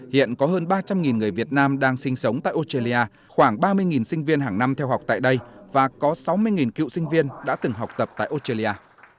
hiện có hơn ba trăm linh người việt nam đang sinh sống tại australia khoảng ba mươi sinh viên hàng năm theo học tại đây và có sáu mươi cựu sinh viên đã từng học tập tại australia